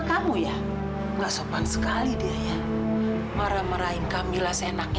kalau multif instead ini saya kasih semuanya ya